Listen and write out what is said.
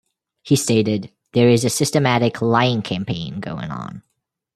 He stated, There is a systematic lying campaign going on...